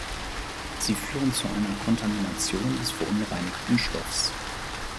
Sie führen zu einer Kontamination des verunreinigten Stoffs.